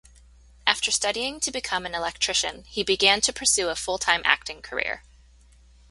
After studying to become an electrician, he began to pursue a full-time acting career.